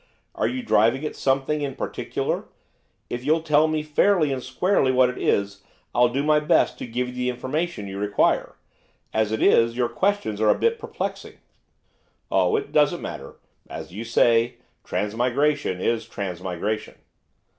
Are you driving at something in particular? If you'll tell me fairly and squarely what it is I'll do my best to give you the information you require; as it is, your questions are a bit perplexing.' 'Oh, it doesn't matter, as you say, "transmigration is transmigration."